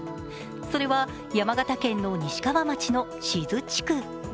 それは山形県の西川町の志津地区。